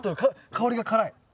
香りが辛い。